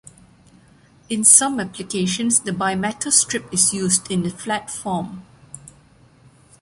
In some applications the bimetal strip is used in the flat form.